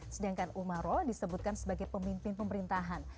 sedangkan umaro disebutkan sebagai pemimpin pemerintahan